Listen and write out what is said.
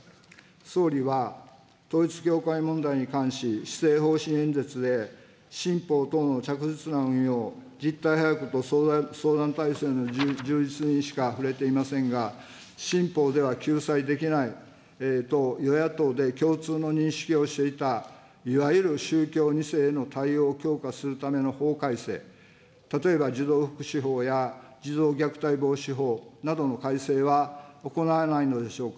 総理は、統一教会問題に関し、施政方針演説で、新法等の着実な運用、実態把握と相談体制の充実にしかふれていませんが、新法では救済できないと与野党で共通の認識をしていた、いわゆる宗教２世への対応を強化するための法改正、例えば児童福祉法や、児童虐待防止法などの改正は行わないのでしょうか。